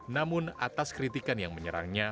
namun atas kritikan yang menyerangnya